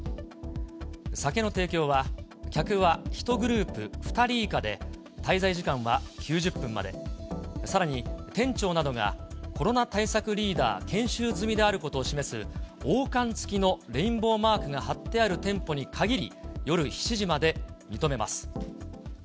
酒の提供は、客は１グループ２人以下で、滞在時間は９０分まで、さらに店長などがコロナ対策リーダー研修済みであることを示す、王冠つきのレインボーマークが貼ってある店舗に限り夜７時まで認めます。